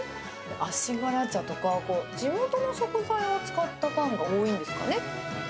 足柄茶とか、地元の食材を使ったパンが多いんですかね。